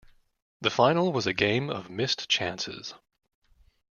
The final was a game of missed chances.